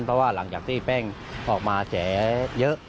เพราะว่าหลังจากที่แป้งออกมาแฉเยอะ